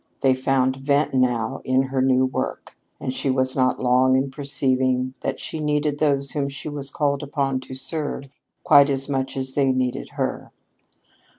They found vent now in her new work, and she was not long in perceiving that she needed those whom she was called upon to serve quite as much as they needed her.